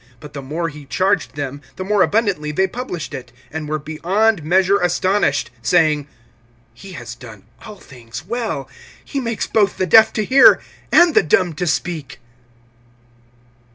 But the more he charged them, the more abundantly they published it; (37)and were beyond measure astonished, saying: He has done all things well; he makes both the deaf to hear, and the dumb to speak.